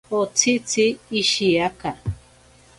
Otsitzi oshiaka.